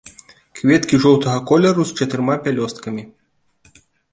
Кветкі жоўтага колеру, з чатырма пялёсткамі.